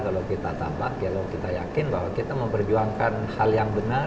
kalau kita tambak kalau kita yakin bahwa kita memperjuangkan hal yang benar